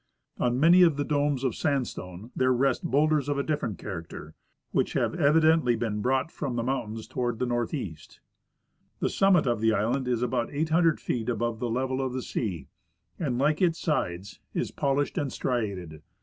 On many of the domes of sandstone there rest boAvlders of a different character, Avhich have CAddently been, brought from the mountains toAvard the northeast. The summit of the island is about 800 feet above the level of the sea, and, like its sides, is polished and striated.